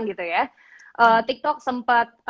gitu ya tiktok sempat